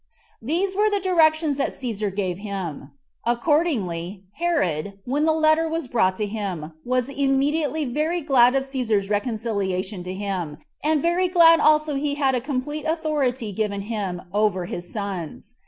These were the directions that Cæsar gave him. Accordingly Herod, when the letter was brought to him, was immediately very glad of Cæsar's reconciliation to him, and very glad also that he had a complete authority given him over his sons.